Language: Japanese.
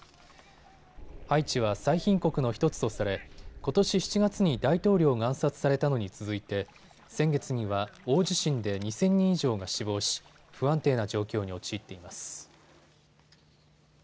ハイチは最貧国の１つとされことし７月に大統領が暗殺されたのに続いて先月には大地震で２０００人以上が死亡し不安定な状況に陥っています。